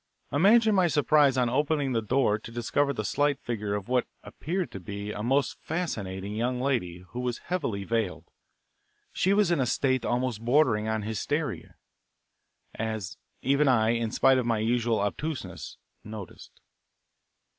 Imagine my surprise on opening the door to discover the slight figure of what appeared to be a most fascinating young lady who was heavily veiled. She was in a state almost bordering on hysteria, as even I, in spite of my usual obtuseness, noticed.